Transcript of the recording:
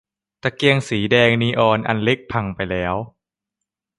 ตะเกียงสีแดงนีออนอันเล็กพังไปแล้ว